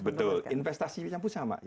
betul investasi itu sama